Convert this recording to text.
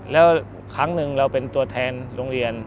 แล้วครั้งหนึ่งเราเป็นตัวแทนโรงเรียน